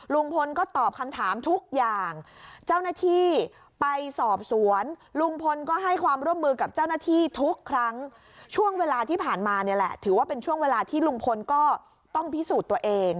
ลุงพลก็ตอบคำถามทุกอย่างเจ้าหน้าที่ไปสอบสวนลุงพลก็ให้ความร่วมมือกับเจ้าหน้าที่ทุกครั้งช่วงเวลาที่ผ่านมาเนี่ยแหละถือว่าเป็นช่วงเวลาที่ลุงพลก็ต้องพิสูจน์ตัวเอง